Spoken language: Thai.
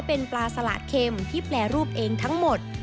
เป็นปลาสละเข็มที่แปรรูปเองทั้งหมด